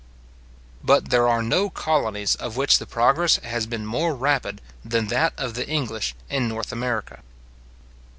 But there are no colonies of which the progress has been more rapid than that of the English in North America.